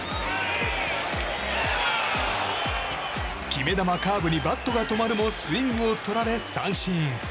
決め球カーブにバットが止まるもスイングをとられ三振。